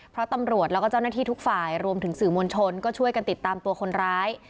เพราะตำรวจแล้วก็เจ้าหน้าที่ทุกฝ่ายรวมถึงสื่อมวลชนก็ช่วยกันติดตามตัวคนร้าย